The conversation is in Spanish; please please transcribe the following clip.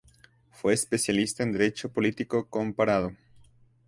Fue especialista en derecho político comparado.